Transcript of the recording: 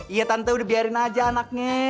iya tante udah biarin aja anaknya